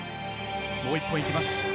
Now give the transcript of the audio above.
もう１本行きます。